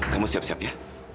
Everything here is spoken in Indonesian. kamu siap siap ya